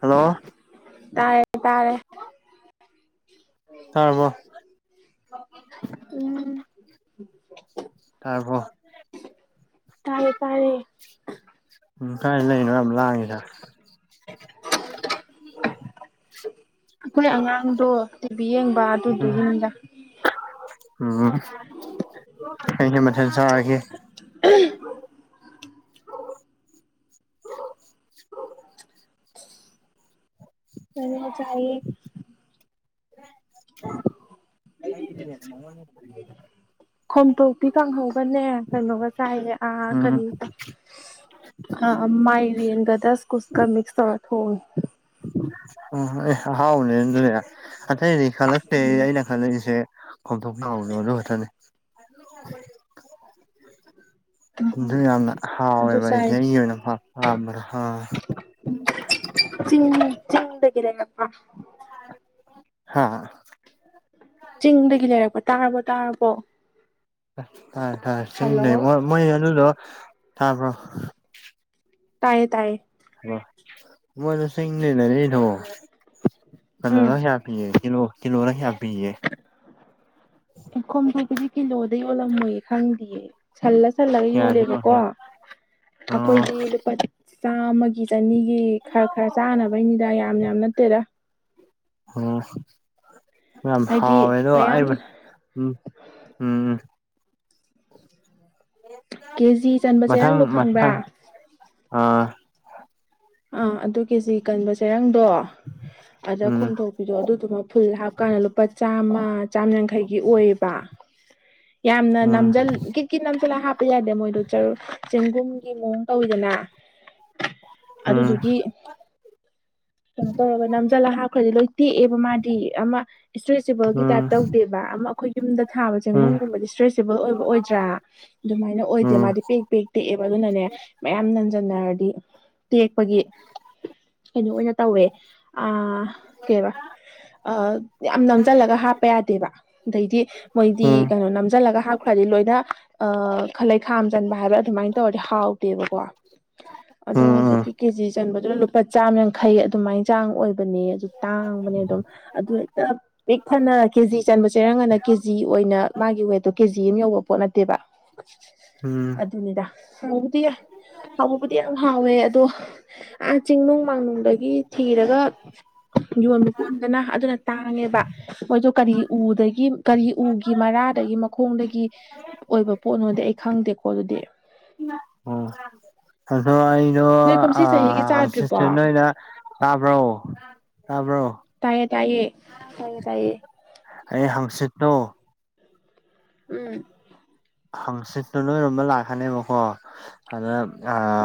hello ꯇꯥꯔꯦ ꯇꯥꯔꯦ ꯇꯥꯔꯕꯣ ꯎꯝ ꯇꯥꯔꯕꯣ ꯇꯥꯏꯌꯦ ꯇꯥꯔꯦ ꯎꯝ ꯀꯥꯏ ꯂꯩꯅꯣ ꯌꯥꯝ ꯂꯥꯡꯉꯤꯗ ꯑꯩꯈꯣꯏ ꯑꯉꯥꯡꯗꯣ ꯇꯤꯚꯤ ꯌꯦꯡꯕ ꯎꯝ ꯑꯗꯨꯗꯨꯒꯤꯅꯤꯗ ꯎꯝ ꯍꯩꯅ ꯃꯊꯦꯟ ꯆꯥꯔꯒꯦ [unintelligible] ꯆ ꯆꯥ ꯋꯥ ꯈꯣꯝꯊꫭꯛꯄꯤ ꯀꯥꯡꯍꯧꯒꯅꯦ ꯀꯩꯅꯣꯒ ꯆꯥꯏꯌꯦ ꯑꯥ ꯎꯝ ꯀꯔꯤꯕ ꯑꯥ ꯑ ꯃꯥꯏꯔꯦꯟꯒ ꯗꯁꯀꯨꯁꯀ ꯃꯤꯛꯁ ꯇꯧꯔ ꯊꫭꯡꯉꯦ ꯑꯣ ꯑꯦ ꯑꯍꯥꯎꯕꯅꯦ ꯑꯗꯨꯗꯤ ꯑꯇꯩꯗꯤ ꯀꯂꯛꯇꯦ‌ ꯑꯩꯅ ꯀꯜꯂꯛꯏꯁꯦ ꯈꯣꯝꯊꯣꯛꯄꯤ ꯀꯥꯡꯍꯧꯗꯣ ꯑꯗꯨ ꯈꯛꯇꯅꯤ ꯎꯝ ꯑꯗꯨ ꯌꯥꯝꯅ ꯑꯗꯨ ꯍꯥꯎꯋꯦꯕ ꯆꯥꯏ ꯑꯩꯗꯤ ꯑꯩꯒꯤ ꯑꯣꯏꯅ ꯄꯥꯝ ꯄꯥꯝꯕꯗꫭ ꯑꯥ ꯆꯤꯡ ꯆꯤꯡꯗꯒꯤꯔꯥ ꯅꯛꯄꯥ ꯍꯥ ꯆꯤꯡꯗꯒꯤ ꯂꯩꯔꯛꯄ ꯇꯥꯔꯕꯣ ꯇꯥꯔꯕꯣ ꯇꯥꯔꯦ ꯇꯥꯔꯦ ꯍꯜꯂꯣ ꯆꯤꯡꯗꯩ ꯃꯣꯏ ꯃꯣꯏ ꯑꯗꯨꯗꯣ ꯇꯥꯕ꯭ꯔꯣ ꯇꯥꯏꯌꯦ ꯇꯥꯏꯌꯦ ꯑꯣ ꯃꯣꯏꯗ ꯆꯤꯡꯗꯩ ꯂꯩꯔꯛꯏꯗꯣ ꯎꯝ ꯀꯩꯅꯣꯅ [unintelligible] ꯄꯤꯌꯦ ꯀꯤꯂꯣ ꯀꯤꯂꯣꯗ ꯀꯌꯥ ꯄꯤꯒꯦ ꯑꯦ ꯈꯣꯝꯁꯦꯄꯤꯗꯤ ꯀꯤꯂꯣꯗ ꯌꫭꯜꯂꯝꯃꯣꯏꯌꯦ ꯈꯪꯗꯤꯌꯦ ꯁꯜꯂ ꯁꯜꯂꯒ ꯀꯌꯥꯅꯣ ꯌꯣꯜꯂꯦꯕꯀꯣ ꯌꯦꯡꯉꯛꯀꯦ ꯑꯣ ꯑꯩꯈꯣꯏꯗꯤ ꯂꯨꯄꯥ ꯆꯥꯝꯃꯒꯤ ꯆꯅꯤꯒꯤ ꯈꯔ ꯈꯔ ꯆꯥꯅꯕꯩꯅꯤꯗ ꯌꯥꯝ ꯌꯥꯝ ꯅꯠꯇꯦꯗ ꯑꯣ ꯌꯥꯝ ꯍꯥꯎꯋꯦ ꯍꯥꯏꯗꯤ ꯑꯗꯣ ꯑꯩ ꯃꯌꯥꯝ ꯎꯝ ꯎꯝ ꯀꯦꯖꯤ ꯆꯟꯕ ꯃꯊꯪ ꯆꯦꯔꯪꯗꯣ ꯈꯪꯕ꯭ꯔꯥ ꯃꯊꯪ ꯑꯥ ꯑꯥ ꯑꯗꯨ ꯀꯦꯖꯤ ꯀꯟꯕ ꯆꯦꯔꯪꯗꯣ ꯑꯗ ꯎꯝ ꯈꯣꯝꯊꫭꯛ ꯄꯤꯗꫭ ꯑꯗꯨꯗꯨꯃ ꯐꯨꯜ ꯍꯥꯞꯀꯥꯟꯗ ꯂꯨꯄꯥ ꯆꯥꯝꯃ ꯆꯥꯝ ꯌꯥꯡꯈꯩꯒꯤ ꯑꯣꯏꯌꯦꯕ ꯌꯥꯝꯅ ꯎꯝ ꯅꯝꯖꯜ ꯀꯤꯠ ꯀꯤꯠ ꯅꯝꯖꯜꯂꯒ ꯍꯥꯞꯄ ꯌꯥꯗꯦ ꯃꯣꯏꯗꯣ ꯆꯔꯨ ꯆꯦꯡꯒꯨꯝꯒꯤ ꯃꯑꯣꯡ ꯇꯧꯋꯤꯗꯅ ꯎꯝ ꯑꯗꯨꯗꯨꯒꯤ ꯀꯩꯅꯣ ꯇꯧꯋꯦꯕ ꯅꯝꯖꯜꯂ ꯍꯥꯞꯈ꯭ꯔꯗꯤ ꯂꯣꯏ ꯇꯦꯛꯑꯦꯕ ꯃꯥꯗꯤ ꯑꯃ ꯏꯁꯇ꯭ꯔꯦꯆꯦꯕꯜꯒꯤ ꯇꯥꯏꯞ ꯎꯝ ꯇꯧꯗꯦꯕ ꯑꯃ ꯑꯩꯈꯣꯏ ꯌꯨꯝꯗ ꯊꯥꯕ ꯎꯝ ꯆꯦꯡꯒꯨꯝꯒꯨꯝꯕꯗꯤ ꯏꯁꯇ꯭ꯔꯦꯆꯦꯕꯜ ꯑꯣꯏꯕ ꯑꯣꯏꯗ꯭ꯔꯥ ꯑꯗꯨꯃꯥꯏꯅ ꯑꯣꯏꯗꯦ ꯎꯝ ꯃꯥꯗꯤ ꯄꯦꯛ ꯄꯦꯛ ꯇꯦꯛꯑꯦꯕ ꯑꯗꯨꯅꯅꯦ ꯃꯌꯥꯝ ꯅꯟꯖꯟꯅꯔꯗꯤ ꯇꯦꯛꯄꯒꯤ ꯀꯩꯅꯣ ꯑꯣꯏꯅ ꯇꯧꯋꯦ ꯀꯩꯑꯕ ꯑ ꯌꯥꯝ ꯅꯝꯖꯜꯂꯒ ꯍꯥꯞꯄ ꯌꯥꯗꯦꯕ ꯑꯗꯩꯗꯤ ꯃꯣꯏꯗꯤ ꯎꯝ ꯀꯩꯅꯣ ꯅꯝꯖꯜꯂꯒ ꯍꯥꯞꯈ꯭ꯔꯅꯤ ꯂꯣꯏꯅ ꯑ ꯈꯂꯩ ꯈꯥꯝ ꯆꯟꯕ ꯍꯥꯏꯕꯔ ꯑꯗꯨꯃꯥꯏꯟ ꯇꯧꯔꯗꯤ ꯍꯥꯎꯇꯦꯕꯀꯣ ꯑꯗꯣ ꯍꯧꯖꯤꯛ ꯎꯝ ꯏ ꯀꯦꯖꯤ ꯆꯟꯕꯗꯨꯅ ꯂꯨꯄꯥ ꯆꯥꯝꯌꯥꯡꯈꯩ ꯑꯗꯨꯃꯥꯏ ꯆꯥꯡ ꯑꯣꯏꯕꯅꯦ ꯑꯗꯨ ꯇꯥꯡꯕꯅꯦ ꯑꯗꯨꯝ ꯑꯗꯨ ꯍꯦꯛꯇꯞ ꯄꯤꯛ ꯊꯟꯅ ꯀꯦꯖꯤ ꯆꯟꯕ ꯆꯦꯔꯪꯒꯅ ꯀꯦꯖꯤ ꯑꯣꯏꯅ ꯃꯥꯒꯤ ꯋꯦꯠꯇꯣ ꯀꯦꯖꯤ ꯑꯃ ꯌꯧꯕ ꯄꯣꯠ ꯅꯠꯇꯦꯕ ꯎꯝ ꯑꯗꯨꯅꯤꯗ ꯍꯥꯎꯕꯨꯗꯤ ꯍꯥꯎꯕꯕꯨꯗꯤ ꯌꯥꯝ ꯍꯥꯎꯋꯦ ꯑꯗꯣ ꯑ ꯆꯤꯡꯅꯨꯡ ꯃꯥꯥꯡꯅꯨꯡꯗꯒꯤ ꯊꯤꯔꯒ ꯌꯣꯟꯕ ꯄꯣꯠꯅꯤꯗꯅ ꯑꯗꯨꯅ ꯇꯥꯡꯉꯦꯕ ꯃꯣꯏꯗꯨ ꯀꯔꯤ ꯎꯗꯒꯤ ꯀꯔꯤ ꯎꯒꯤ ꯃꯔꯥꯗꯒꯤ ꯈꯣꯡꯗꯒꯤ ꯑꯣꯏꯕ ꯄꯣꯠꯅꯣꯗꯤ ꯑꯩ ꯈꯪꯗꯦꯀꯣ ꯑꯗꯨꯗꯤ ꯑꯣ ꯑꯗꯣ ꯑꯩꯗꯣ ꯅꯣꯏ ꯀꯨꯝꯁꯤ ꯑ ꯆꯍꯤꯒꯤ ꯆꯥꯗ꯭ꯔꯤꯕꯣ ꯍꯪꯆꯤꯠꯁꯦ ꯅꯣꯏꯗ ꯇꯥꯕ꯭ꯔꯣ ꯇꯥꯕ꯭ꯔꯣ ꯇꯥꯏꯌꯦ ꯇꯥꯏꯌꯦ ꯇꯥꯏꯌꯦ ꯇꯥꯏꯌꯦ ꯑꯩ ꯍꯥꯡꯆꯤꯠꯇꯣ ꯎꯝ ꯍꯪꯆꯤꯠꯇꯨ ꯅꯣꯏꯔꯣꯝꯗ ꯂꯥꯛꯀꯅꯦꯕꯀꯣ ꯑꯗ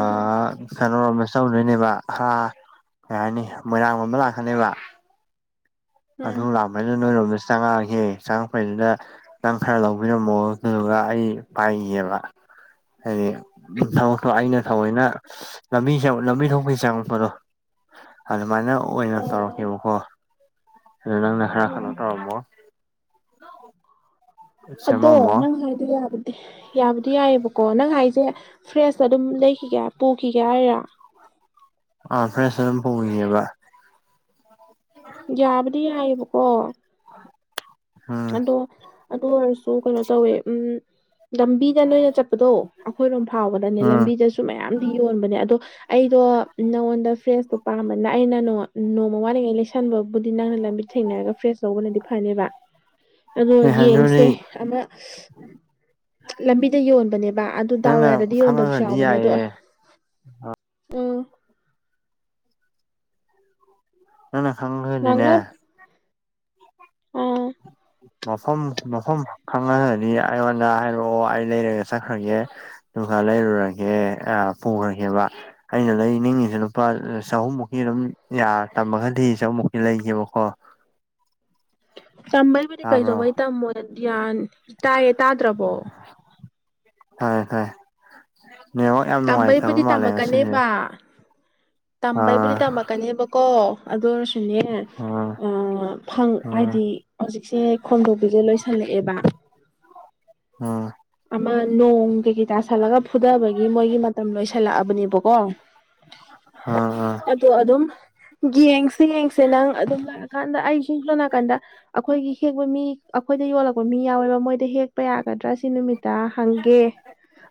ꯎꯝ ꯀꯩꯅꯣꯔꯣꯝꯗ ꯆꯧꯗꯣꯏꯅꯦꯕ ꯑꯥ ꯀꯩ ꯍꯥꯏꯅꯤ ꯃꯣꯏꯔꯥꯡ ꯂꯣꯝꯗ ꯂꯥꯛꯀꯅꯤꯕ ꯑꯗꯨ ꯎꯝ ꯂꯥꯛꯄꯩꯗꯨ ꯅꯣꯏꯔꯣꯝꯗ ꯆꯪꯉꯛꯑꯒꯦ ꯆꯪꯉꯛꯄꯩꯗꯨꯗ ꯅꯪ ꯈꯔ ꯂꯧꯕꯤꯔꯝꯃꯣ ꯑꯗꯨꯗꯨꯒ ꯑꯩ ꯄꯥꯏꯒꯤꯒꯦꯕ ꯍꯏ ꯊꯕꯛꯇꯣ ꯑꯩꯅ ꯊꯧꯑꯣꯏꯅ ꯂꯝꯕꯤꯁꯦ [unintelligible] ꯂꯝꯕꯤ ꯊꯣꯛꯄꯩ ꯆꯪꯉꯛꯄꯗꯣ ꯑꯗꯨꯃꯥꯏꯅ ꯑꯣꯏꯅ ꯇꯧꯔꯛꯀꯦꯕꯀꯣ ꯑꯗꯨ ꯅꯪꯅ ꯈꯔ ꯍꯡꯅ ꯇꯧꯔꯝꯃꯣ ꯑꯗꯣ ꯁꯦꯝꯃꯝꯃꯣ ꯅꯪ ꯍꯥꯏꯗꯣ ꯌꯥꯕꯅꯦ ꯌꯥꯕꯨꯗꯤ ꯌꯥꯏꯑꯕꯀꯣ ꯅꯪ ꯍꯥꯏꯁꯦ ꯐ꯭ꯔꯦꯁꯇ ꯑꯗꯨꯝ ꯂꯩꯈꯤꯒꯦ ꯄꯨꯈꯤꯒꯦ ꯍꯥꯏꯔꯥ ꯑꯥ ꯐ꯭ꯔꯦꯁ ꯑꯗꯨꯝ ꯄꯨꯒꯤꯒꯦꯕ ꯌꯥꯕꯨꯗꯤ ꯌꯥꯏꯑꯕꯀꯣ ꯎꯝ ꯑꯗꯣ ꯑꯗꯨ ꯑꯣꯏꯔꯁꯨ ꯀꯩꯅꯣ ꯇꯧꯋꯦ ꯎꯝ ꯂꯝꯕꯤꯗ ꯂꯩꯔ ꯆꯠꯄꯗꯣ ꯑꯩꯈꯣꯏꯔꯣꯝ ꯐꯥꯎꯕꯗꯅꯦ ꯎꯝ ꯂꯝꯕꯤꯗꯁꯨ ꯆꯨ ꯃꯌꯥꯝꯗꯤ ꯌꯣꯟꯕꯅꯦ ꯑꯗꯣ ꯑꯩꯗꯣ ꯅꯉꯣꯟꯗ ꯐ꯭ꯔꯦꯁꯇꯣ ꯄꯥꯝꯕꯅ ꯑꯩꯅ ꯅꯣ ꯅꯣꯡꯃ ꯋꯥꯠꯂꯤꯉꯩ ꯂꯩꯁꯟꯕꯕꯨꯗꯤ ꯅꯪꯅ ꯂꯝꯕꯤ ꯊꯦꯡꯅꯔꯒ ꯐ꯭ꯔꯦꯁ ꯂꯧꯕꯅꯗꯤ ꯐꯅꯦꯕ ꯑꯗꯣ ꯑꯦ ꯌꯦꯡꯁꯦ ꯑꯗꯨꯗꯤ ꯑꯃ ꯂꯝꯕꯤꯗ ꯌꯣꯟꯕꯅꯦꯕ ꯑꯗꯨ ꯗꯥꯎ ꯅꯪꯅ ꯌꯥꯗ꯭ꯔꯗꯤ ꯌꯣꯟꯗꯕꯁꯨ ꯈꯪꯉꯒꯗꯤ ꯌꯥꯎꯕꯅꯦ ꯑꯗꯣ ꯌꯥꯏꯌꯦ ꯑ ꯅꯪꯅ ꯈꯪꯒ꯭ꯔꯗꯤꯅꯦ ꯉꯥꯡꯅ ꯑ ꯃꯐꯝ ꯃꯐꯝ ꯈꯪꯉꯒꯗꯤ ꯑꯩꯉꯣꯟꯗ ꯍꯥꯏꯔꯛꯑꯣ ꯑꯩ ꯂꯩꯔꯒ ꯆꯠꯈ꯭ꯔꯒꯦ ꯑꯗꯨꯒ ꯂꯩꯔꯨꯔꯒꯦ ꯑ ꯄꯨꯒ꯭ꯔꯒꯦꯕ ꯑꯩꯅ ꯂꯩꯅꯤꯡꯉꯤꯖꯦ ꯂꯨꯄꯥ ꯆꯍꯨꯝꯃꯨꯛꯀꯤ ꯑꯗꯨꯝ ꯌꯥꯔ ꯇꯝꯃꯒꯗꯤ ꯆꯍꯨꯝꯃꯨꯛꯀꯤ ꯂꯩꯒꯦꯕꯀꯣ ꯇꯝꯕꯩꯕꯨꯗꯤ ꯇꯥꯕ꯭ꯔꯣ ꯀꯩꯗꯧꯕꯩ ꯇꯝꯃꯣꯏ ꯌꯥꯟ ꯇꯥꯏꯌꯦ ꯇꯥꯗ꯭ꯔꯕꯣ ꯇꯥꯏꯌꯦ ꯇꯥꯏꯌꯦ ꯅꯦꯠꯋꯥꯛ ꯌꯥꯝ ꯅꯨꯡꯉꯥꯏꯇꯕ ꯇꯝꯕꯩꯕꯨꯗꯤ ꯃꯥꯜꯂꯦ ꯉꯁꯤꯁꯦ ꯇꯝꯃꯛꯀꯅꯦꯕ ꯇꯝꯕꯩꯕꯨꯗꯤ ꯑꯥ ꯇꯝꯃꯛꯀꯅꯦꯕꯀꯣ ꯑꯗꯨ ꯑꯣꯏꯔꯁꯨꯅꯦ ꯑꯣ ꯑ ꯐꯪ ꯍꯥꯏꯗꯤ ꯍꯧꯖꯤꯛꯁꯦ ꯈꯣꯟꯗꯣꯛꯄꯤꯁꯦ ꯂꯣꯏꯁꯜꯂꯛꯑꯦꯕ ꯑꯣ ꯑꯃ ꯅꯣꯡ ꯀꯩ ꯀꯩ ꯇꯥꯁꯜꯂꯒ ꯐꯨꯗꯕꯒꯤ ꯃꯣꯏꯒꯤ ꯃꯇꯝ ꯂꯣꯏꯁꯤꯜꯂꯛꯑꯕꯅꯦꯕ ꯀꯣ ꯑ ꯑ ꯑꯗꯣ ꯑꯗꯨꯝ ꯌꯦꯡꯁꯦ ꯌꯦꯡꯁꯦ ꯅꯪ ꯑꯗꯨꯝ ꯂꯥꯛꯑꯀꯥꯟꯗ ꯑꯩꯁꯨ ꯁꯣꯝ ꯅꯀꯟꯗ ꯑꯩꯈꯣꯏꯒꯤ ꯍꯦꯛꯄ ꯃꯤ ꯑꯩꯈꯣꯏꯗ ꯌꯣꯜꯂꯛꯄ ꯃꯤ ꯌꯥꯎꯋꯦꯕ ꯃꯣꯏꯗ ꯍꯦꯛꯄ ꯌꯥꯒꯗ꯭ꯔꯥ ꯁꯤ ꯅꯨꯃꯤꯠꯇ ꯍꯪꯒꯦ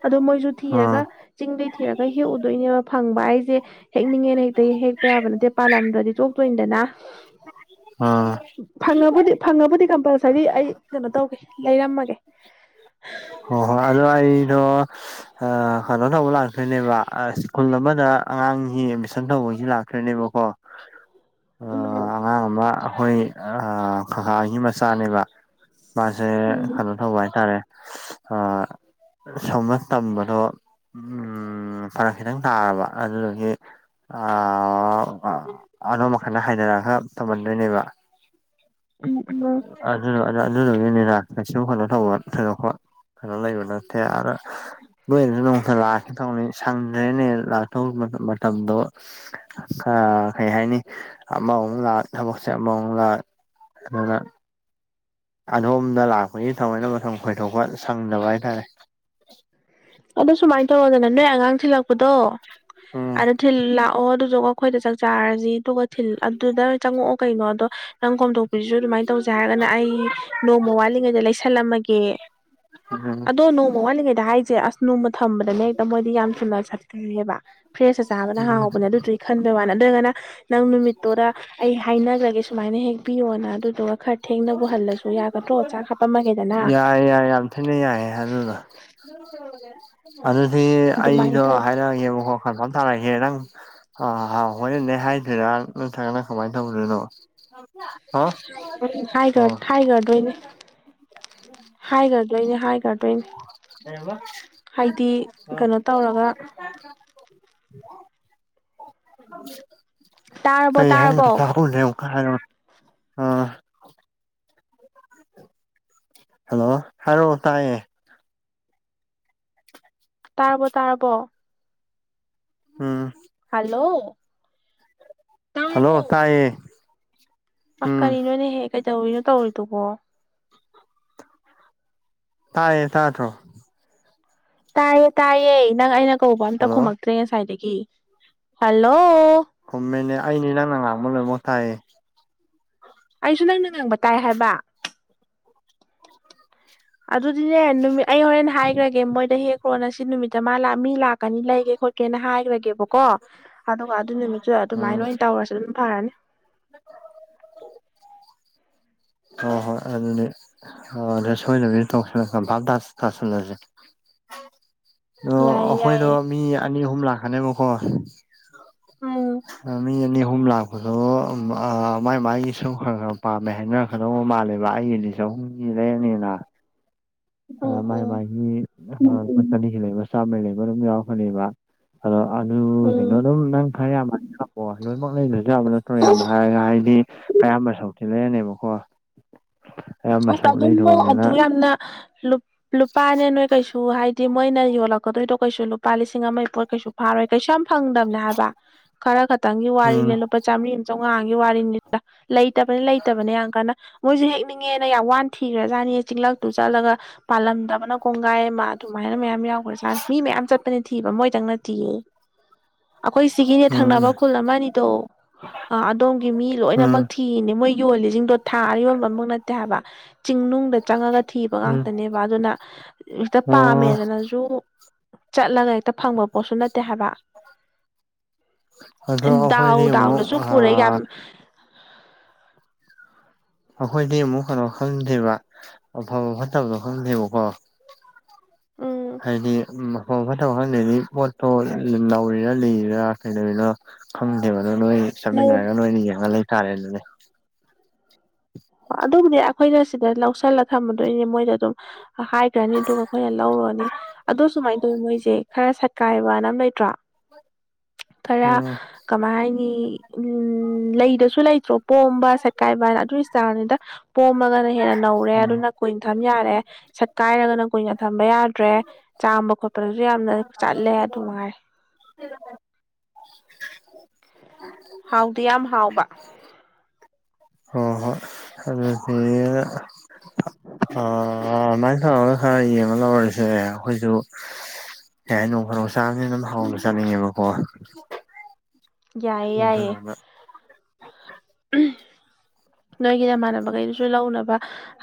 ꯑꯗꯣ ꯃꯣꯏꯖꯨ ꯑꯥ ꯑꯥ ꯊꯤꯔꯒ ꯆꯤꯡꯗꯩ ꯊꯤꯔꯒ ꯍꯦꯛꯎꯗꯣꯏꯅꯦꯕ ꯐꯪꯕ ꯍꯥꯏꯖꯦ ꯍꯦꯛꯅꯤꯡꯉꯦꯅ ꯍꯦꯛꯇ ꯍꯦꯛꯄ ꯌꯥꯕ ꯅꯠꯇꯦ ꯄꯥꯜꯂꯝꯗ꯭ꯔꯗꯤ ꯆꯣꯛꯇꯣꯏꯅꯤꯗꯅ ꯑꯥ ꯐꯪꯉꯕꯨꯗꯤ ꯐꯪꯉꯕꯨꯗꯤ ꯀꯝꯄꯜꯁꯔꯤ ꯑꯩ ꯀꯩꯅꯣ ꯇꯧꯒꯦ ꯂꯩꯔꯝꯃꯒꯦ ꯑꯣ ꯑꯗꯣ ꯑꯩꯗꯣ ꯑ ꯀꯅꯣ ꯇꯧꯕ ꯂꯥꯛꯇꯣꯏꯅꯦꯕ ꯑ ꯁ꯭ꯀꯨꯜ ꯑꯃꯗ ꯑꯉꯥꯡꯒꯤ ꯑꯦꯠꯃꯤꯁꯟ ꯇꯧꯕꯩꯖꯨ ꯂꯥꯛ ꯑꯗꯨꯅꯦꯕꯀꯣ ꯎꯝ ꯑꯉꯥꯡ ꯑꯃ ꯑꯩꯈꯣꯏ ꯀꯀꯥꯒꯤ ꯃꯆꯥꯅꯦꯕ ꯃꯥꯁꯦ ꯎꯝ ꯀꯩꯅꯣ ꯇꯧꯕ ꯍꯥꯏꯇꯥꯔꯦ ꯑ ꯁꯨꯝꯕ ꯇꯝꯕꯗꯣ ꯎꯝ ꯎꯝ ꯐꯔꯛ ꯈꯤꯇꯪ ꯇꯥꯔꯕ ꯑꯗꯨꯗꯨꯒꯤ ꯑ [unintelligible] ꯍꯩꯅꯔꯒ ꯊꯝꯃꯟꯗꯣꯏꯅꯦꯕ [unintelligible] ꯑꯗꯨꯗ‌ꯣ ꯑꯗꯨ ꯑꯗꯨꯗꯨꯒꯤꯅꯤꯗ ꯀꯩꯁꯨ ꯀꯩꯅꯣ ꯇꯧꯕ ꯊꯣꯏꯗꯣꯛꯄ ꯀꯩꯅꯣ ꯂꯩꯕꯥ ꯅꯠꯇꯦ ꯑꯗꯥ ꯅꯣꯏꯗꯁꯨ ꯅꯣꯡꯃꯇꯥ ꯂꯛꯀ‌ꯦ ꯇꯧꯕꯅꯤ ꯁꯪꯗꯔꯦꯅꯦ ꯂꯥꯛꯇꯧ ꯃꯇꯝ ꯃꯇꯝꯗꯣ ꯑꯥ ꯀꯩ ꯍꯥꯏꯅꯤ ꯑꯃꯃꯨꯛ ꯂꯥꯛ ꯊꯕꯛꯁꯦ ꯑꯃꯃꯨꯛ ꯂꯥꯛ ꯀꯩꯕ ꯑꯗꯣꯝꯗ ꯂꯥꯛꯄꯒꯤ ꯊꯑꯣꯏꯅ ꯃꯇꯝ ꯀꯥꯏꯊꯣꯛꯄ ꯁꯪꯗꯕ ꯍꯥꯏꯇꯥꯔꯦ ꯑꯗꯣ ꯁꯨꯃꯥꯏꯅ ꯇꯧꯔ‌ꯣꯗꯅ ꯅꯣꯏ ꯑꯉꯥꯡ ꯊꯤꯜꯂꯛꯄꯗꯣ ꯎꯝ ꯑꯗꯨꯗ ꯊꯤꯜ ꯂꯥꯛꯑꯣ ꯑꯗꯨ‌ꯗ‌ꯣ ꯑꯩꯈꯣꯏꯗ ꯆꯥꯛ ꯆꯥꯔꯁꯤ ꯑꯗꯨꯒ ꯊꯤꯜ ꯑꯗꯨꯗ ꯆꯪꯉꯛꯑꯣ ꯀꯩꯅꯣ ꯑꯗꯣ ꯅꯪ ꯀꯣꯝꯗꯣꯛ ꯍꯧꯖꯤꯛꯖꯨ ꯑꯗꯨꯃꯥꯏ ꯇꯧꯖꯦ ꯍꯥꯏꯔꯒꯅ ꯑꯩ ꯅꯣꯡꯃ ꯋꯥꯠꯂꯤꯉꯩꯗ ꯂꯩꯁꯜꯂꯝꯃꯒꯦ ꯎꯝ ꯑꯗꯣ ꯅꯣꯡꯃ ꯋꯥꯠꯂꯤꯉꯩꯗ ꯍꯥꯏ ꯆꯦ ꯑꯁ ꯅꯣꯡꯃ ꯊꯝꯕꯗꯅꯦ ꯍꯦꯛꯇ ꯃꯣꯏꯗꯤ ꯌꯥꯝ ꯊꯨꯅ ꯁꯥꯠꯀꯜꯂꯦꯕ ꯐ꯭ꯔꯦꯁꯇ ꯆꯥꯕꯅ ꯍꯥꯎꯕꯅꯦ ꯑꯗꯨꯗꯨꯒꯤ ꯈꯟꯕꯩ ꯋꯥꯅꯤ ꯑꯗꯨ ꯑꯣꯏꯔꯒꯅ ꯅꯪ ꯅꯨꯃꯤꯠꯇꯣꯔ ꯑꯩ ꯍꯥꯏꯅꯒ꯭ꯔꯒꯦ ꯁꯨꯃꯥꯏꯅ ꯍꯦꯛꯄꯤꯌꯣꯅ ꯑꯗꯨꯗꯨꯒ ꯈꯔ ꯊꯦꯡꯅꯕꯨ ꯍꯜꯂꯁꯨ ꯌꯥꯒꯗ꯭ꯔꯣ ꯆꯥꯛ ꯍꯥꯞꯄꯝꯃꯒꯦꯗꯅ ꯌꯥꯏ ꯌꯥꯏ ꯌꯥꯝ ꯊꯤꯅ ꯌꯥꯏꯌꯦ ꯑꯗꯨꯗꯣ ꯑꯗꯨꯗꯤ ꯑꯗꯨꯃꯥꯏꯅ ꯑꯩꯗꯣ ꯇꯧ ꯍꯥꯏꯔꯛꯑꯒꯦꯕꯀꯣ ꯀꯟꯐꯥꯝ ꯇꯥꯔꯒꯦꯍꯦ ꯅꯪ ꯑ ꯍꯥ ꯍꯣꯔꯦꯟꯗꯩ ꯍꯥꯏꯗꯣꯏꯔ ꯅꯠꯇ꯭ꯔꯒꯅ ꯀꯃꯥꯏ ꯇꯧꯗꯣꯏꯅꯣ ꯍꯥꯎ ꯍꯥꯏꯈ꯭ꯔ ꯍꯥꯏꯈ꯭ꯔꯗꯣꯏꯅꯦ [unintelligible] [unintelligible] ꯍꯥꯏꯈ꯭ꯔꯗꯣꯏꯅꯦ ꯍꯥꯏꯈ꯭ꯔꯗꯣꯏꯅꯦ ꯍꯥꯏꯗꯤ ꯀꯩꯅꯣ ꯇꯧꯔꯒ ꯇꯥꯔꯕꯣ ꯀꯩ ꯇꯥꯔꯕꯣ ꯍꯥꯏꯅ‌ꯣ ꯇꯍꯧꯗꯔ‌ꯦ ꯑꯃꯨꯛꯀ ꯍꯥꯏꯔꯛ‌ꯑꯣꯅ‌ꯦ ꯑ ꯍꯜꯂꯣ ꯍꯥꯏꯔꯛꯑ‌ꯣ ꯇꯥꯏꯌꯦ ꯇꯥꯔꯕꯣ ꯇꯥꯔꯕꯣ ꯎꯝ ꯍꯜꯂꯣ ꯍꯜꯂꯣ ꯇꯥꯏꯌꯦ ꯃꯥ ꯎꯝ ꯀꯔꯤꯅꯣꯅꯦꯍꯦ ꯀꯩꯗꯧꯔꯤꯅꯣ ꯇꯧꯔꯤꯗꯨꯕꯨ ꯇꯥꯏꯌ‌ꯦ ꯇꯥꯗꯔꯣ ꯇꯥꯏꯌꯦ ꯇꯥꯏꯌꯦ ꯅꯪ ꯑꯩꯅ ꯀꯧꯕ ꯑꯝꯇ ꯍꯜꯂꯣ ꯈꯨꯝꯃꯛꯇ꯭ꯔꯦ ꯉꯁꯥꯏꯗꯒꯤ ꯍꯜꯂꯣ ꯈꯨꯝꯃꯦꯅꯦ ꯑꯩꯅꯦ ꯅꯪꯅ ꯉꯥꯡꯕ ꯂ‌ꯣꯏꯃꯛ ꯇꯥꯏꯌ‌ꯦ ꯑꯩꯁꯨ ꯅꯪꯅ ꯉꯥꯡꯕ ꯇꯥꯏ ꯍꯥꯏꯕ ꯑꯗꯨꯗꯤꯅꯦ ꯅꯨꯃꯤꯠ ꯑꯩ ꯍꯣꯔꯦꯟ ꯍꯥꯏꯈ꯭ꯔꯒꯦ ꯃꯣꯏꯗ ꯍꯦꯛ ꯈꯔꯣꯅ ꯁꯤ ꯅꯨꯃꯤꯠꯇ ꯃꯥ ꯂꯥꯛ ꯃꯤ ꯂꯥꯛꯀꯅꯤ ꯂꯩꯒꯦ ꯈꯣꯠꯀꯦꯅ ꯍꯥꯏꯈ꯭ꯔꯒꯦꯀ‌ꯣ ꯀꯣ ꯑꯗꯨꯒ ꯑꯗꯨ ꯅꯨꯃꯤꯠꯇꯨꯗ ꯑꯗꯨꯃꯥꯏꯅ ꯎꯝ ꯑꯣꯏꯅ ꯇꯧꯔꯁ‌ꯦ ꯑꯗꯨꯅ ꯐꯔꯅꯤ [inaudible] ꯍꯣꯏ ꯍꯣꯏ ꯑꯗꯨꯗꯤ ꯑꯗꯨꯗ ꯁꯣꯏꯗꯕꯤꯗ ꯇꯧꯁꯜꯂ ꯀꯟꯐꯥꯝ ꯇꯥ ꯇꯁꯤꯜꯂꯁꯦ ꯗ‌ꯣ ꯌꯥꯏꯌꯦ ꯑꯩꯈꯣꯏꯗꯣ ꯌꯥꯏꯌꯦ ꯃꯤ ꯑꯅꯤ ꯑꯍꯨꯝ ꯂꯥꯛꯀꯅꯦꯕꯀꯣ ꯎꯝ ꯑꯥ ꯃꯤ ꯑꯅꯤ ꯑꯍꯨꯝ ꯂꯥꯛ ꯑꯗꯣ ꯎꯝ ꯑꯥ ꯃꯥꯏ ꯃꯥꯥꯏꯒꯤ ꯁꯨ ꯈꯔ ꯈꯔ ꯄꯥꯝꯃꯦ ꯍꯥꯏꯅꯔꯛꯀꯗꯧꯕ ꯃꯥꯜꯂꯦꯕ ꯑꯩꯒꯤ ꯆꯍꯨꯝꯒꯤ ꯂꯩꯔꯅꯤꯗꯅ ꯑ ꯎꯝ ꯃꯥꯏ ꯎꯝ ꯃꯥꯏꯒꯤ ꯑꯥ ꯆꯅꯤꯒꯤ ꯂꯩꯕ ꯆꯥꯃꯒꯤ ꯂꯩꯕ ꯑꯗꯨꯝ ꯌꯥꯎꯔꯛꯀꯅꯤꯕ ꯑꯗ‌ꯣ ꯑꯗꯨ ꯎꯝ ꯀꯩꯅ‌ꯣꯗꯨꯝ ꯅꯪ ꯈꯔ ꯌꯥꯝꯅ ꯑꯣ ꯂꯣꯏꯅꯃꯛ ꯂꯩꯗꯔꯁꯨ‌ ꯌꯥꯕ ꯅꯠꯇ꯭ꯔꯣ ꯌꯥꯝ ꯍꯥꯏꯔꯒ ꯍꯥꯏꯗꯤ ꯑꯌꯥꯝꯕ ꯁꯔꯨꯛꯇꯤ ꯂꯩꯔꯅꯦꯕꯀꯣ ꯑꯌꯥꯝꯕ ꯑꯁ ꯁꯔꯨꯛ ꯑꯗꯨꯝ ꯅ‌ꯣ ꯂꯩꯗꯣꯔꯕꯅꯤꯅ ꯑꯗꯨꯛ ꯌꯥꯝꯅ ꯂꯨꯞ ꯂꯨꯄꯥꯅꯦ ꯅꯣꯏ ꯀꯩꯁꯨ ꯍꯥꯏꯗꯤ ꯃꯣꯏꯅ ꯌꯣꯜꯂꯛꯀꯗꯣꯏꯗꯣ ꯀꯩꯁꯨ ꯂꯨꯄꯥ ꯂꯤꯁꯤꯡ ꯑꯃ ꯄꯣꯏ ꯀꯩꯁꯨ ꯐꯔꯣꯏ ꯀꯩꯁꯨ ꯌꯥꯝ ꯐꯪꯗꯕꯅꯦ ꯍꯥꯏꯕ ꯈꯔ ꯈꯛꯇꯪꯒꯤ ꯎꯝ ꯋꯥꯔꯤꯅꯦ ꯂꯨꯄꯥ ꯆꯥꯝꯔꯤ ꯑꯃ ꯆꯥꯝꯃꯉꯥꯒꯤ ꯋꯥꯔꯤꯅꯤ ꯂꯩꯇꯕꯅꯤ ꯂꯩꯇꯕꯅꯤ ꯌꯥꯝ ꯀꯥꯟꯅ ꯃꯣꯏꯁꯨ ꯍꯦꯛꯅꯤꯡ ꯆꯤꯡꯉꯦꯅ ꯌꯥꯝ ꯋꯥꯅ ꯊꯤꯈ꯭ꯔꯥꯖꯥꯠꯅꯤꯍ‌ꯦ‌ ꯆꯤꯡꯂꯛꯇꯨ ꯆꯠꯂꯒ ꯄꯥꯜꯂꯝꯗꯕꯅ ꯀꯣꯡꯒꯥꯏ ꯑꯃ ꯑꯗꯨꯃꯥꯏꯅ ꯃꯌꯥꯝ ꯌꯥꯎꯈ꯭ꯔꯖꯥꯠꯅꯤ ꯃꯤ ꯃꯌꯥꯝ ꯆꯠꯄꯅꯤ ꯊꯤꯕ ꯃꯣꯏꯗꯪ ꯅꯠꯇꯤꯌꯦ ꯑꯩꯈꯣꯏ ꯁꯤꯒꯤꯅ‌ꯦ ꯎꯝ ꯊꯪꯅꯕ ꯈꯨꯜ ꯑꯃ ꯑꯅꯤꯗꯣ ꯑ ꯑꯗꯣꯝꯒꯤ ꯃꯤ ꯎꯝ ꯂꯣꯏꯅꯃꯛ ꯊꯤꯔꯤꯅꯦ ꯃꯣꯏ ꯌꯣꯜꯂꯤꯁꯤꯡꯗꯣ ꯊꯥꯔ ꯌꯣꯟꯕ ꯑꯝ ꯍꯥꯏꯕ ꯆꯤꯡꯅꯨꯡꯗ ꯆꯪꯉꯒ ꯊꯤꯕ ꯎꯝ ꯉꯥꯛꯇꯅꯦꯕ ꯑꯗꯨꯅ ꯍꯦꯛꯇꯥ ꯑꯣ ꯄꯥꯝꯃꯦꯗꯅꯁꯨ ꯆꯠꯂꯒ ꯍꯦꯛꯇ ꯐꯪꯕ ꯄꯣꯠꯁꯨ ꯅꯠꯇꯦ ꯍꯥꯏꯕ ꯑꯗꯣ ꯗꯥꯎ ꯑꯩꯈꯣꯏꯗꯤ ꯑꯃꯨꯛ ꯗꯥꯎꯗꯁꯨ ꯄꯔꯦ ꯌꯥꯝ ꯑꯩꯈꯣꯏꯗꯤ ꯑꯃꯨꯛ ꯀꯩꯅꯣ ꯈꯪꯗꯦꯕ ꯑꯐ ꯐꯠꯇꯕꯗꯣ ꯈꯪꯗꯦꯕꯀꯣ ꯎꯝ ꯍꯥꯏꯗꯤ ꯐꯥꯕ ꯐꯠꯇꯕ ꯈꯪꯗꯦꯗꯤ ꯄꯣꯠꯇꯣ ꯅꯧꯔꯤꯔꯥ ꯂꯩꯔꯤꯔꯥ ꯀꯩꯗꯧꯔꯤꯅ ꯈꯪꯗꯦꯕ ꯑꯗꯨ ꯅꯣꯏ ꯂꯧ ꯆꯠꯃꯤꯟꯅꯔꯒ ꯅꯣꯏꯅ ꯌꯦꯡꯉ ꯂꯩꯇꯥꯥꯔꯦ ꯑꯗꯨꯅꯦ ꯑꯗꯨꯕꯨꯗꯤ ꯑꯩꯈꯣꯏꯅ ꯁꯤꯗ ꯂꯧꯁꯜꯂꯒ ꯊꯝꯃꯗꯣꯏꯅꯦ ꯃꯣꯏꯗ ꯑꯗꯨꯝ ꯍꯥꯏꯈ꯭ꯔꯅꯤ ꯑꯗꯨꯒ ꯑꯩꯈꯣꯏꯅ ꯂꯧꯔꯨꯔꯅꯤ ꯑꯗꯣ ꯁꯨꯃꯥꯏꯅ ꯇꯧꯋꯤ ꯃꯣꯏꯁꯦ ꯈꯔ ꯁꯠꯀꯥꯏꯕꯅ ꯑꯃ ꯂꯩꯇ꯭ꯔ‌ꯣ ꯈꯔ ꯎꯝ ꯀꯃꯥꯏ ꯍꯥꯏꯅꯤ ꯎꯝ ꯂꯩꯗꯁꯨ ꯂꯩꯇ꯭ꯔꯣ ꯄꯣꯝꯕ ꯁꯥꯠꯀꯥꯏꯕ ꯍꯥꯏꯅ ꯑꯗꯨꯏ ꯏꯁꯇꯥꯜꯅꯤꯗ ꯄꯣꯝꯃꯒꯅ ꯍꯦꯟꯅ ꯅꯧꯔꯦ ꯎꯝ ꯑꯗꯨꯅ ꯀꯨꯏꯅ ꯊꯝ ꯌꯥꯔꯦ ꯁꯥꯠꯀꯥꯏꯔꯒꯅ ꯀꯨꯏꯅ ꯊꯝꯕ ꯌꯥꯗ꯭ꯔꯦ ꯆꯥꯝꯕ ꯈꯣꯠꯄꯗꯁꯨ ꯌꯥꯝꯅ ꯆꯠꯂꯦ ꯑꯗꯨ ꯃꯉꯥꯏ [unintelligible] ꯍꯥꯎꯗꯤ ꯌꯥꯝ ꯍꯥꯎꯕ [unintelligible] ꯍꯣꯏ ꯍꯣꯏ ꯑꯗꯨꯗꯒꯤ ꯑꯗꯨꯃꯥꯏꯅ ꯇꯧꯔꯒ ꯈꯔ ꯌꯦꯡꯉ ꯂꯧꯔꯔꯤꯁꯦ ꯑꯩꯈꯣꯏꯁꯨ ꯌꯥ ꯅꯣꯡ ꯐꯗꯣꯛ ꯆꯥꯕꯅꯤ ꯑꯗꯨꯝ ꯍꯥꯎꯅ ꯆꯥꯅꯤꯡꯉꯦꯕꯀꯣ ꯌꯥꯏꯌꯦ ꯌꯥꯏꯌꯦ ꯑꯗꯨꯗꯨꯅ ꯅꯣꯏꯒꯤ ꯅꯃꯥꯟꯅꯕꯈꯩꯗꯨꯁꯨ ꯂꯧꯅꯕ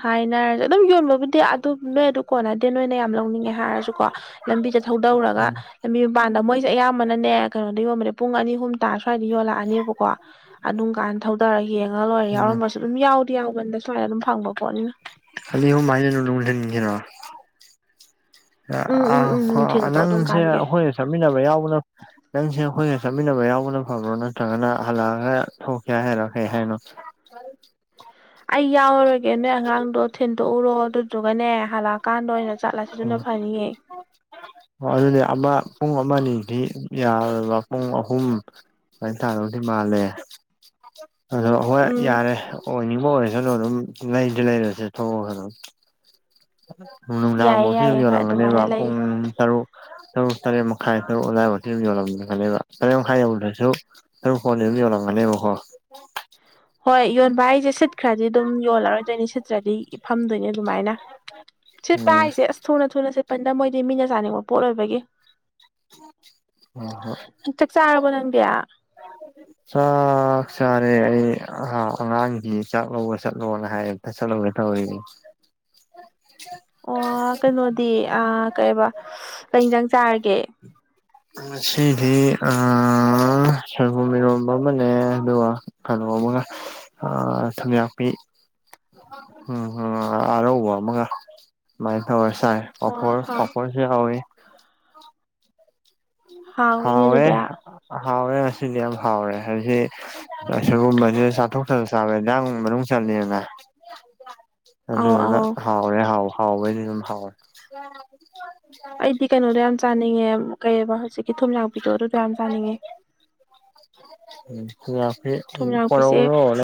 ꯍꯥꯏꯅꯔꯁꯦ ꯑꯗꯨꯝ ꯌꯣꯟꯕꯕꯨꯗꯤ ꯑꯗꯨꯝ ꯅꯣꯏ ꯑꯗꯨ ꯀꯣꯅꯗꯦ ꯑꯣꯏꯅ ꯌꯥꯝ ꯂꯧꯅꯤꯡꯉꯦ ꯍꯥꯏꯔꯁꯨ ꯀꯣ ꯂꯝꯕꯤꯗ ꯊꯧꯗꯧꯔꯒ ꯂꯝꯕꯤ ꯃꯄꯥꯟꯗ ꯃꯣꯏꯁꯦ ꯑꯌꯥꯝꯕꯅꯅꯦ ꯀꯩꯅꯣꯗ ꯌꯣꯟꯕꯅꯦ ꯄꯨꯡ ꯑꯅꯤ ꯑꯍꯨꯝ ꯇꯥ ꯁ꯭ꯋꯥꯏꯗ ꯌꯣꯜꯂꯛꯑꯅꯦꯕꯀꯣ ꯑꯗꯨꯝ ꯀꯥꯟꯗ ꯊꯧꯗꯔꯒ ꯌꯦꯡꯉ ꯂꯣꯏꯔ ꯎꯝ ꯌꯥꯎꯔꯝꯕꯁꯨ ꯑꯗꯨꯝ ꯌꯥꯎꯗꯤ ꯌꯥꯎꯕꯟꯗ ꯁꯨꯃꯥꯏꯅ ꯑꯗꯨꯝ ꯐꯪꯕ ꯄꯣꯠꯅꯤꯅ ꯑꯅꯤ ꯑꯍꯨꯝ ꯍꯥꯏꯁꯦ ꯅꯨꯡꯊꯤꯜꯒꯤꯔꯣ ꯎꯝ ꯎꯝ ꯎꯝ ꯅꯨꯡꯊꯤꯜꯗꯣ ꯑꯗꯨꯝ ꯅꯪꯁꯦ ꯀꯥꯟꯒꯤ ꯑꯩꯈꯣꯏ ꯆꯠꯃꯤꯟꯅꯕ ꯌꯥꯎꯕꯅ ꯅꯪꯁꯦ ꯑꯩꯈꯣꯏꯒ ꯆꯠꯃꯤꯟꯅꯕ ꯌꯥꯎꯕꯅ ꯐꯕ꯭ꯔꯣ ꯅꯠꯇ꯭ꯔꯒꯅ ꯍꯜꯂꯛꯑꯒ ꯊꯣꯛꯀ ꯍꯥꯏꯔꯣꯀꯩ ꯍꯥꯏꯅꯣ [unintelligible] ꯑꯩ ꯌꯥꯎꯔꯔꯣꯏꯒꯦ ꯅꯣꯏ ꯑꯉꯥꯡꯗꯣ ꯊꯤꯟꯗꯣꯛꯎꯔꯣ ꯑꯗꯨꯗꯨꯒꯅꯦ ꯍꯜꯂꯛꯑꯀꯥꯟꯗ ꯑꯣꯏꯅ ꯆꯠꯂꯁꯤꯗꯨꯅ ꯎꯝ ꯐꯅꯤꯌꯦ ꯑꯗꯨꯗꯤ ꯑꯃ ꯄꯨꯡ ꯑꯃ ꯑꯅꯤꯗꯤ ꯌꯥꯔꯕ ꯄꯨꯡ ꯑꯍꯨꯝ ꯗꯨꯃꯥꯏ ꯇꯥꯗꯧꯗꯤ ꯃꯥꯜꯂꯦ ꯑꯣ ꯍꯣꯏ ꯎꯝ ꯌꯥꯔꯦ ꯑꯣꯏꯅꯤꯡꯕ ꯑꯣꯏꯔꯁꯅꯨ ꯑꯗꯨꯝ ꯂꯩꯗꯤ ꯂꯩꯔꯁꯦ ꯊꯣꯛꯑꯒ ꯑꯗꯨꯝ ꯌꯥꯏꯌꯦ ꯅꯨꯡꯗꯥꯡꯐꯥꯎꯁꯨ ꯑꯗꯨ ꯌꯥꯏꯌꯦ ꯍꯣꯏ ꯌꯧꯔꯝꯒꯅꯦꯕ ꯑꯗꯨꯃꯥꯏꯅ ꯄꯨꯡ ꯂꯩ ꯇꯔꯨꯛ ꯇꯔꯨ ꯇꯔꯦ ꯃꯈꯥꯏꯔꯨ ꯑꯣꯂꯥꯏ ꯌꯣꯂꯝ ꯈ ꯇꯔꯦ ꯃꯈꯥꯏꯗꯗ꯭ꯔꯁꯨ ꯇꯥꯔꯨꯛ ꯐꯣꯟꯕꯤ ꯌꯣꯜꯂꯝꯒꯅꯦꯕꯀꯣ ꯍꯣꯏ ꯌꯣꯟꯕ ꯍꯥꯏꯁꯦ ꯁꯤꯠꯈ꯭ꯔꯗꯤ ꯑꯗꯨꯝ ꯌꯣꯜꯂꯔꯣꯏꯗꯣꯏꯅꯤ ꯁꯤꯠꯇ꯭ꯔꯗꯤ ꯏ ꯐꯝꯗꯣꯏꯅꯦ ꯑꯗꯨꯃꯥꯏꯅ ꯁꯤꯠꯄ ꯎꯝ ꯍꯥꯏꯁꯦ ꯑꯁ ꯊꯨꯅ ꯊꯨꯅ ꯁꯤꯠꯄꯅꯤꯗ ꯃꯣꯏꯗꯤ ꯃꯤꯅ ꯆꯥꯅꯤꯡꯕ ꯄꯣꯠ ꯑꯣꯏꯕꯒꯤ ꯍꯣꯏ ꯍꯣꯏ ꯆꯥꯛ ꯆꯥꯔꯕ ꯅꯪꯗꯤ [inaudible] ꯆꯥꯛ ꯆꯥꯔꯦ ꯑꯩ ꯑꯉꯥꯡꯁꯤ ꯆꯥꯛꯂꯧꯕ ꯆꯠꯂꯣꯅ ꯍꯥꯏꯌꯦ ꯆꯥꯠꯂꯨꯒꯦ ꯇꯧ ꯔꯤꯅꯦ ꯑꯣ ꯀꯩꯅꯣꯗꯤ ꯀꯩꯕ ꯂꯦꯡꯖꯪ ꯆꯥꯔꯒꯦ ꯉꯁꯤꯗꯤ ꯑꯥ ꯁꯣꯏꯕꯨꯝ ꯏꯔꯣꯝꯕ ꯑꯃꯅꯦ ꯑꯗꯨꯒ ꯀꯩꯅꯣ ꯑꯃꯒ ꯊꯨꯝꯌꯥꯥꯛꯄꯤ ꯎꯝ ꯑꯔꯧꯕ ꯑꯃꯒ ꯑꯗꯨꯃꯥ ꯇꯧꯔ ꯆꯥꯏ ꯑꯣ ꯀꯐꯔ ꯍꯥꯎ ꯀꯐꯣꯔꯁꯤ ꯀꯥꯎꯋꯦ ꯍꯥꯎꯅꯤꯅꯦ ꯍꯥꯎꯋꯦ ꯑꯗꯨꯗꯤ ꯍꯥꯎꯋꯦ ꯑꯁꯤꯅꯤ ꯌꯥꯝ ꯍꯥꯎꯋꯦ ꯍꯧ ꯁꯣꯏꯕꯨꯝꯁꯤꯗ ꯆꯥꯊꯣꯛꯇꯥ ꯅꯥ ꯆꯥꯕ ꯏꯟꯖꯥꯡ ꯃꯅꯨꯡ ꯆꯜꯂꯤꯅ [inaudible] ꯑꯗꯨꯗꯨꯅ ꯑꯧ ꯍꯥꯎꯔꯦ ꯍꯥꯎ ꯍꯥꯎꯕꯩꯗꯤ ꯑꯗꯨꯝ ꯍꯥꯎꯋꯦ ꯑꯩꯗꯤ ꯀꯩꯅꯣꯗꯣ ꯌꯥꯝ ꯆꯥꯅꯤꯡꯉꯦ ꯀꯩꯕ ꯍꯧꯖꯤꯛꯀꯤ ꯊꯨꯝ ꯂꯥꯡꯄꯤꯗꯣ ꯑꯗꯨꯗꯣ ꯌꯥꯝ ꯆꯥꯅꯤꯡꯉꯦ ꯎ ꯌꯥꯈꯦ ꯊꯨꯝꯌꯥꯛꯄꯤꯁꯦ ꯄꯔꯅ